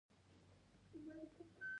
له اوبو پرته ګذاره سخته ده.